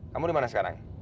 kamu dimana sekarang